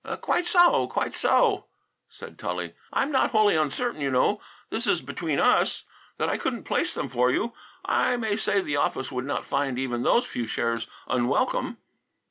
"Quite so, quite so!" said Tully. "I'm not wholly uncertain, you know this is between us that I couldn't place them for you. I may say the office would not find even those few shares unwelcome."